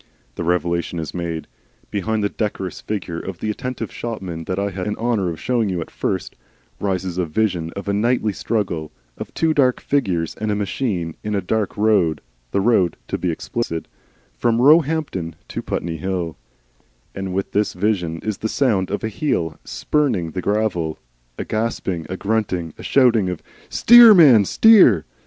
The revelation is made. Behind the decorous figure of the attentive shopman that I had the honour of showing you at first, rises a vision of a nightly struggle, of two dark figures and a machine in a dark road, the road, to be explicit, from Roehampton to Putney Hill, and with this vision is the sound of a heel spurning the gravel, a gasping and grunting, a shouting of "Steer, man, steer!"